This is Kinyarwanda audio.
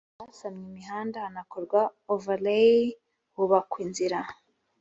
hasanwe imihanda hanakorwa overlay hubakwa inzira